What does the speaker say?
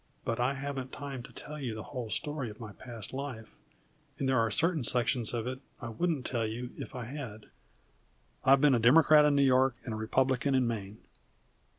But I haven't time to tell you the whole story of my past life, and there are certain sections of it I wouldn't tell you if I had. I have been a Democrat in New York and a Republican in Maine."